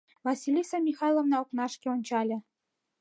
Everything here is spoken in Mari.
Василиса Михайловна окнашке ончале.